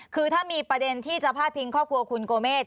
คือถ้ามีประเด็นที่จะพาดพิงครอบครัวคุณโกเมฆ